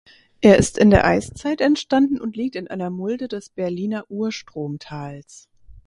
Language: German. Er ist in der Eiszeit entstanden und liegt in einer Mulde des Berliner Urstromtals.